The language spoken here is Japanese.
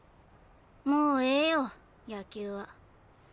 もうええよ野球は。えっ？